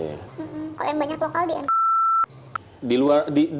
kalau yang banyak lokal di enak